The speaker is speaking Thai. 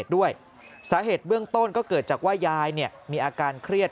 ด้วยสาเหตุเบื้องต้นก็เกิดจากว่ายายมีอาการเครียด